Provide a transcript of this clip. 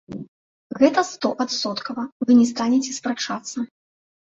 Гэта стоадсоткава, вы не станеце спрачацца.